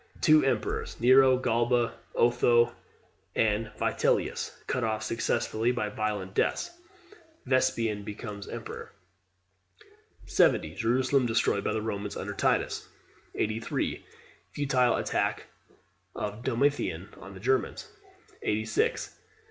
The emperors Nero, Galba, Otho, and Vitellius, cut off successively by violent deaths. Vespasian becomes emperor. 70. Jerusalem destroyed by the Romans under Titus. 83. Futile attack of Domitian on the Germans. 86.